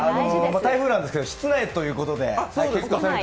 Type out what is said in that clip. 台風なんですけど、室内ということで。